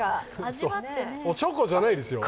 おちょこじゃないんですよ？